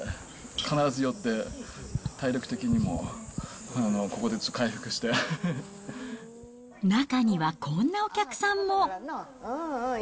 必ず寄って、中にはこんなお客さんも。